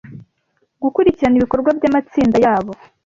gukurikirana ibikorwa by amatsinda yabo